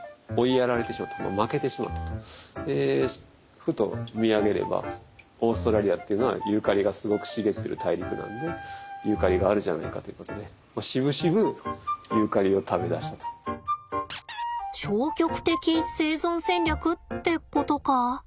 ふと見上げればオーストラリアっていうのはユーカリがすごく茂っている大陸なのでユーカリがあるじゃないかということで消極的生存戦略ってことか？